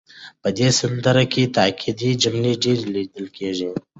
په دې سندره کې تاکېدي جملې ډېرې لیدل کېږي.